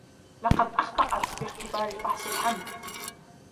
لقد اخطأت باختبار فحص الحمل